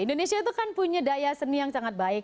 indonesia itu kan punya daya seni yang sangat baik